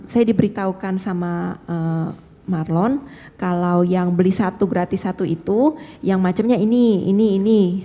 saya diberitahukan sama marlon kalau yang beli satu gratis satu itu yang macamnya ini ini ini